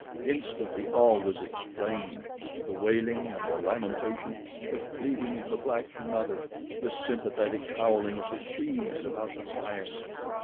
Instantly all was explained the wailing and lamentation, the pleading of the black mother, the sympathetic howling of the shes about the fire.